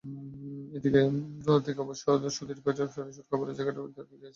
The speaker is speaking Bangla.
এদিক থেকে অবশ্য এবার সুতির চেয়ে প্যারাসুট কাপড়ের জ্যাকেট এগিয়ে আছে।